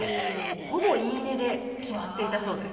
ほぼ言い値で決まっていたそうです。